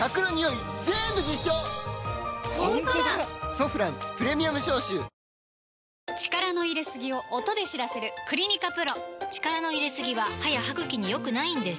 「ソフランプレミアム消臭」力の入れすぎを音で知らせる「クリニカＰＲＯ」力の入れすぎは歯や歯ぐきに良くないんです